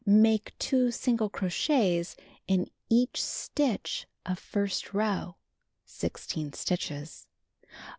Make 2 single crochets in each stitch of first row (16 stitches).